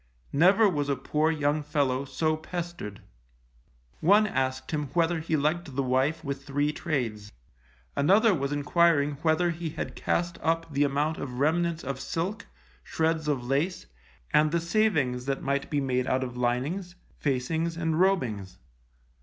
Never was a poor young fellow so pestered! One asked him whether he liked the wife with three trades? Another was enquiring whether he had cast up the amount of remnants of silk, shreds of lace, and the savings that might be made out of linings, facings, and robings?